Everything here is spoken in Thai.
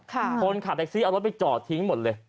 คนขับแท็กซี่เอารถไปจอดทิ้งหมดเลย